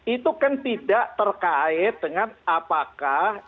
itu kan tidak terkait dengan apa saja